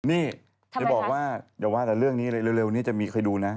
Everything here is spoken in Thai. นี่จะบอกว่าอย่าว่าแต่เรื่องนี้เลยเร็วนี้จะมีเคยดูนะ